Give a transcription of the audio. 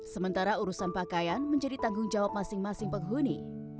sementara urusan pakaian menjadi tanggung jawab masing masing penghuni